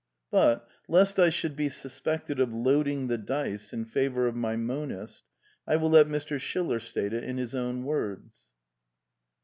But, lest I should be suspected of loading the dice in favour of my monist, I will let Mr. Schiller state it in his own words.